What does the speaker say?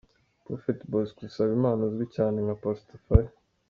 Prophet Bosco Nsabimana uzwi cyane nka Pastor Fire.